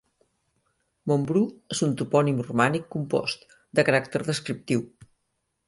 Montbrú és un topònim romànic compost, de caràcter descriptiu.